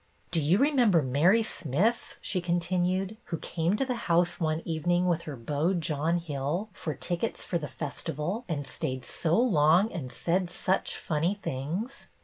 " Do you remember Mary Smith," she con tinued, " who came to the house one evening with her beau, John Hill, for tickets for the festival, and stayed so long and said such funny things?